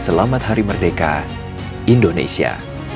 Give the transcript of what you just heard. selamat hari merdeka indonesia